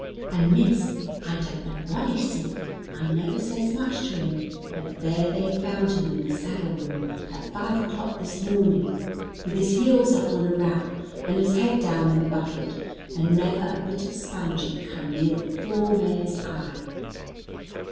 And, Miss, I don't know what he see, I never says much to him; but there they found him in the saddle room, at five o'clock this morning, with his heels up on a rack, and his head down in the bucket, and never a bit of sponge had come near the poor mare's eye."